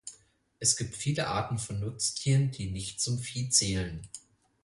Es gibt viele Arten von Nutztieren, die nicht zum Vieh zählen.